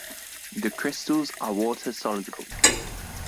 The crystals are water-soluble.